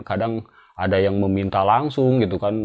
kadang ada yang meminta langsung gitu kan